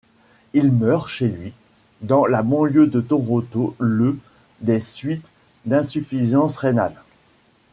Il meurt chez lui, dans la banlieue de Toronto le des suites d'insuffisance rénale.